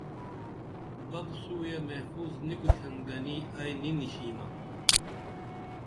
بپ سُویہ محفوظ نی کُتھین گنی ائی نی نِشِمہ